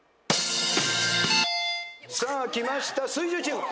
さあきました水１０チーム。